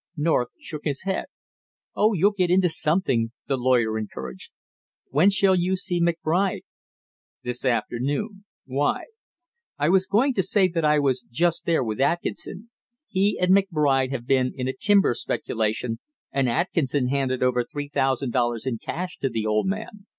North shook his head. "Oh, you'll get into something!" the lawyer encouraged. "When shall you see McBride?" "This afternoon. Why?" "I was going to say that I was just there with Atkinson. He and McBride have been in a timber speculation, and Atkinson handed over three thousand dollars in cash to the old man.